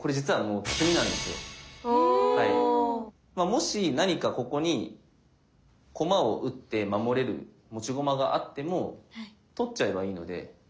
もし何かここに駒を打って守れる持ち駒があっても取っちゃえばいいので。